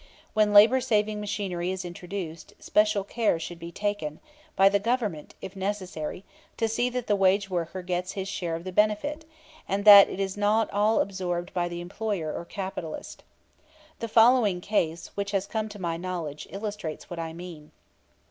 When labor saving machinery is introduced, special care should be taken by the Government if necessary to see that the wage worker gets his share of the benefit, and that it is not all absorbed by the employer or capitalist. The following case, which has come to my knowledge, illustrates what I mean.